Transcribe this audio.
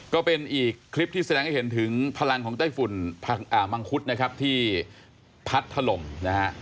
ก็เป็นอีกคลิปที่แสดงให้เห็นถึงพลังของไต้ฝุ่นมังคุดนะครับที่พัดถล่มนะฮะ